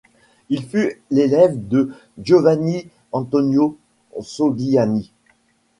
Il fut l'élève de Giovanni Antonio Sogliani.